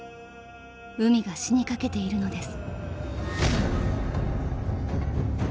［海が死にかけているのです］